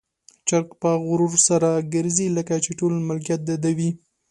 چرګ په غرور سره ګرځي، لکه چې ټول ملکيت د ده وي.